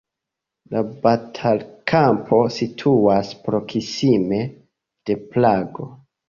La batalkampo situas proksime de Prago.